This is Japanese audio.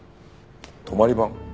泊まり番？